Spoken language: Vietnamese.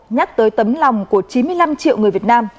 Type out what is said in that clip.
nhắc tới tấm lòng của chín mươi năm triệu người việt nam